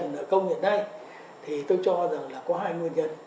nguyên nhân trần nợ công hiện nay thì tôi cho rằng là có hai nguyên nhân